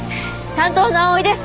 担当の蒼井です。